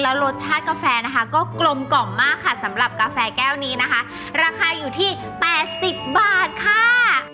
แล้วรสชาติกาแฟนะคะก็กลมกล่อมมากค่ะสำหรับกาแฟแก้วนี้นะคะราคาอยู่ที่๘๐บาทค่ะ